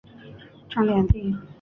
张联第。